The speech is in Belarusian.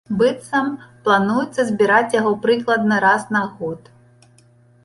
Быццам, плануецца збіраць яго прыкладна раз на год.